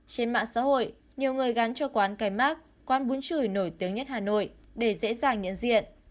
trên mạng xã hội nhiều người gắn cho quán cái mát quán bún chửi nổi tiếng nhất hà nội để dễ dàng nhận diện